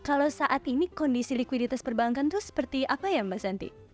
kalau saat ini kondisi likuiditas perbankan itu seperti apa ya mbak santi